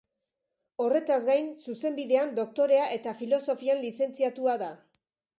Horretaz gain, zuzenbidean doktorea eta filosofian lizentziatua da.